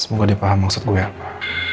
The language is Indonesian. semoga dia paham maksud gue apa